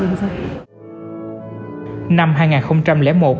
năm hai nghìn bốn bà thuộc nhóm đầu tiên được nhà nước phong tặng nghệ sĩ ưu tú